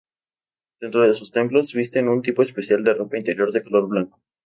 Dentro de sus templos visten un tipo especial de ropa interior de color blanco.